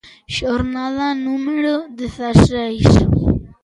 Xornada número dezaseis.